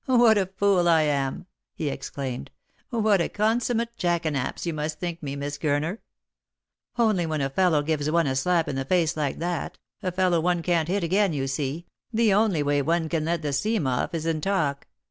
" What a fool I am !" he exclaimed. " What a consummate jackanapes you must think me, Miss Gurner ! Only when a fellow gives one a slap in the face like that — a fellow one can't hit again, you see — the only way one can let the steam off is in talk.